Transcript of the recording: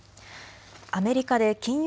アメリカで金融